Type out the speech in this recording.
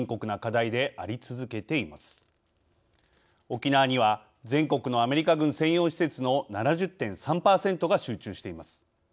沖縄には全国のアメリカ軍専用施設の７０．３％が集中しています。